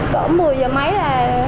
cỡ một mươi giờ mấy là